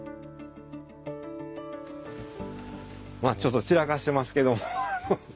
ちょっと散らかしてますけど。